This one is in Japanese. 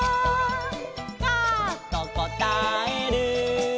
「カァとこたえる」